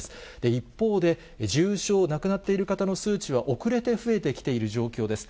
一方で、重症、亡くなっている方の数値は遅れて増えてきている状況です。